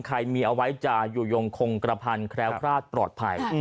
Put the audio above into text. ใครมีเอาไว้จะอยู่ยงคงกระพันแคล้วคลาดปลอดภัย